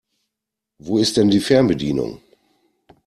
Wo ist denn die Fernbedienung?